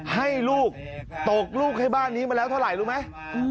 ให้ลูกตกลูกให้บ้านนี้มาแล้วเท่าไหร่รู้ไหม